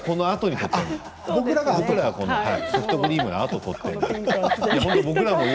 僕らがソフトクリームのあとに撮っているのよ。